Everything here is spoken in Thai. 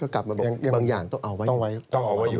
ก็กลับมาบอกบางอย่างต้องเอาไว้อยู่